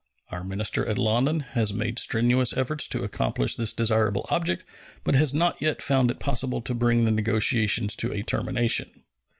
Our minister at London has made strenuous efforts to accomplish this desirable object, but has not yet found it possible to bring the negotiations to a termination.